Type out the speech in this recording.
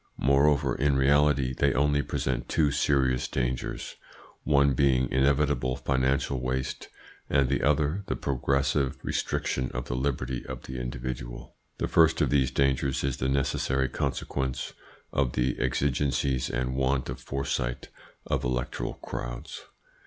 Moreover, in reality they only present two serious dangers, one being inevitable financial waste, and the other the progressive restriction of the liberty of the individual. The first of these dangers is the necessary consequence of the exigencies and want of foresight of electoral crowds.